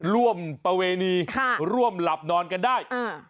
ร่วมประเวณีร่วมหลับนอนกันได้